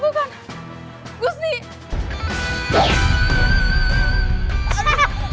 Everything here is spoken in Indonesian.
aku akan melakukannya